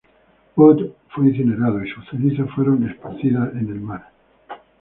Wood fue incinerado y sus cenizas fueron esparcidas en el mar.